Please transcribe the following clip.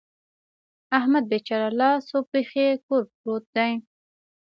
احمد بېچاره لاس و پښې کور پروت دی.